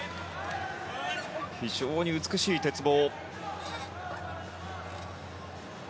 非常に美しい鉄棒。